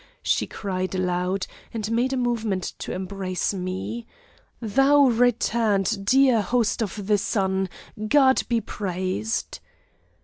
she cried aloud, and made a movement to embrace me. 'Thou returned, dear host of the Sun God be praised!